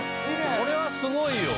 これはすごいよ。